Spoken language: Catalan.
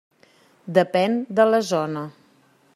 Depèn de la zona.